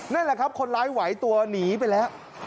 นั่นแหละครับคนร้ายไหวตัวหนีไปแล้ว